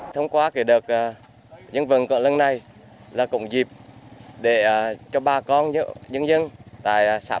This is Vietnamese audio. thông qua đợt dân vận cộng lần này là cũng dịp để cho bà con dân dân tại xã phúc sơn